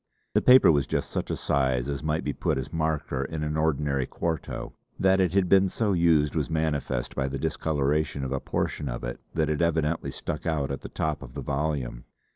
The paper was just such a size as might be put as marker in an ordinary quarto; that it had been so used was manifest by the discolouration of a portion of it that had evidently stuck out at the top of the volume.